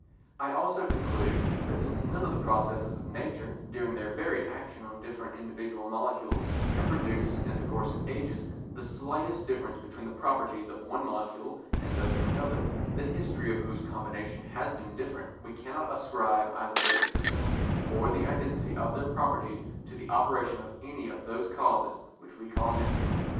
I also conclude that since none of the processes of nature, during their varied action on different individual molecules, have produced, in the course of ages, the slightest difference between the properties of one molecule and those of another, the history of whose combinations has been different, we cannot ascribe either their existence or the identity of their properties to the operation of any of those causes which we call natural.